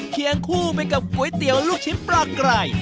เคียงคู่ไปกับก๋วยเตี๋ยวลูกชิ้นปลาไก่